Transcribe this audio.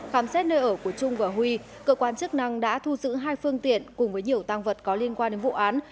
khám xét nơi ở của trung và huy cơ quan chức năng đã thu giữ hai phương tiện cùng với nhiều tăng vật có liên quan đến vụ án